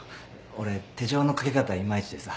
俺手錠のかけ方いまいちでさ。